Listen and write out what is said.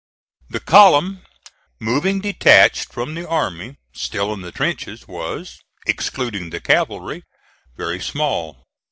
The column moving detached from the army still in the trenches was, excluding the cavalry, very small.